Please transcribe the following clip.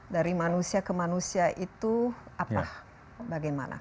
dari manusia ke manusia itu apa bagaimana